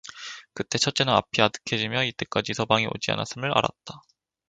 그때 첫째는 앞이 아뜩해지며 이때까지 이서방이 오지 않았음을 알았다.